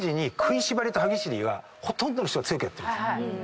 ほとんどの人が強くやってるんです。